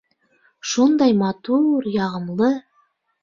Шундай матур, яғымлы.